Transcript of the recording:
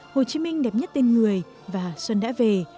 hồ chí minh đẹp nhất tên người và xuân đã về